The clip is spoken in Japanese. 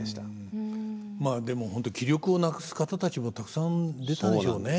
まあでもホント気力をなくす方たちもたくさん出たでしょうね。